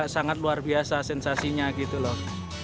sangat luar biasa sensasinya gitu loh